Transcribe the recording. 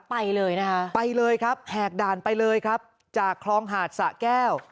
ไปเลยนะคะไปเลยครับแหกด่านไปเลยครับจากคลองหาดสะแก้ว